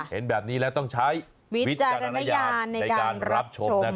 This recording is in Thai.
เห็นแบบนี้แล้วต้องใช้วิจารณญาณในการรับชมนะครับ